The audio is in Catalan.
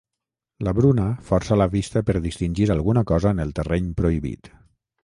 La Bruna força la vista per distingir alguna cosa en el terreny prohibit.